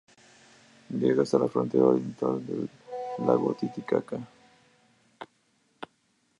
Llega hasta la frontera oriental del lago Titicaca.